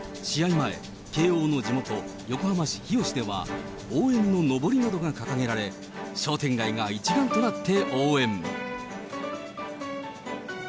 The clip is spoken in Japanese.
前、慶応の地元、横浜市日吉では、応援ののぼりなどが掲げられ、商店街が一丸となって応援。